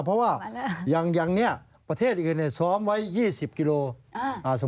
เพราะว่าอย่างนี้ประเทศอื่นเนี่ยซ้อมไว้๒๐กิโลหรังเซ็นต์